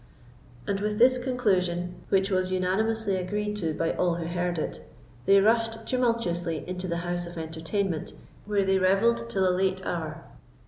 And with this conclusion, which was unanimously agreed to by all who heard it, they rushed tumultuously into the house of entertainment, where they revelled till a late hour.